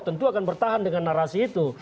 tentu akan bertahan dengan narasi itu